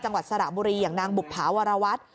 จังหวัดสระบุรีอย่างนางบุภาวรวัฒน์